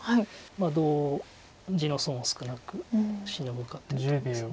どう地の損を少なくシノぐかということです。